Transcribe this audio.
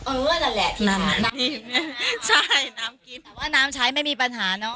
เออแล้วแหละน้ำน้ำกินใช่น้ำกินแต่ว่าน้ำใช้ไม่มีปัญหาเนอะ